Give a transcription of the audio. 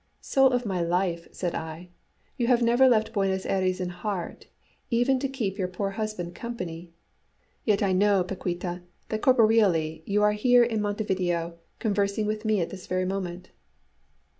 "Soul of my life," said I, "you have never left Buenos Ayres in heart, even to keep your poor husband company! Yet I know, Paquíta, that corporeally you are here in Montevideo, conversing with me at this very moment."